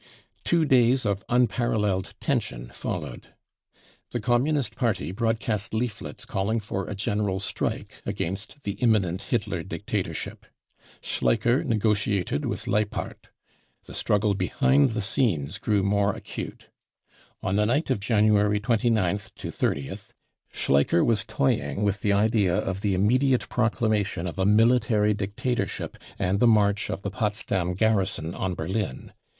Two cfeys of unparalleled * tension followed. The Communist Party broadcast leaflets „ caFiing for a general strike against the imminent Hitler dictatorship. Schleicher negotiated with Leipart. The struggle behind the scenes grew more acute. On the night of January sgtb ^oth, Schleicher was toying with the idea of the immediate proclamation of a military dictatorship and the march of the Potsdam garrison on Berlin.